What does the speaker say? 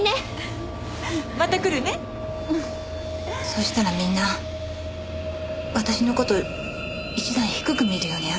そうしたらみんな私の事を一段低く見るようになって。